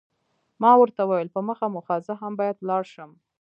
ما ورته وویل، په مخه مو ښه، زه هم باید ولاړ شم.